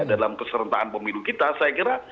dalam keserentaan pemilu kita saya kira